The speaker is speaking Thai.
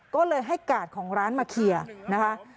ก็เลยให้กาดของร้านมาเคลียร์นะคะ